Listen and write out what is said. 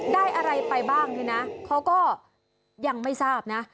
ได้อะไรไปบ้างนี่นะเขาก็ยังไม่ทราบนะ